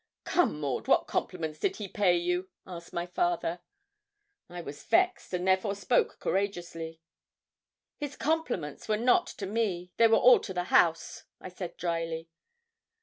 'Come, Maud, what compliments did he pay you?' asked my father. I was vexed, and therefore spoke courageously. 'His compliments were not to me; they were all to the house,' I said, drily.